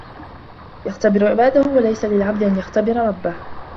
يَخْتَبِرَ عِبَادَهُ وَلَيْسَ لِلْعَبْدِ أَنْ يَخْتَبِرَ رَبَّهُ